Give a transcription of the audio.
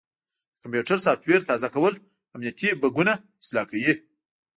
د کمپیوټر سافټویر تازه کول امنیتي بګونه اصلاح کوي.